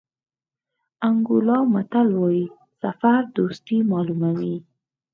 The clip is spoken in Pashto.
انګولا متل وایي سفر دوستي معلوموي.